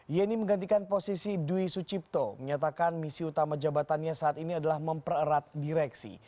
yeni menggantikan posisi dwi sucipto menyatakan misi utama jabatannya saat ini adalah mempererat direksi